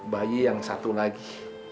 bayi yang satu lagi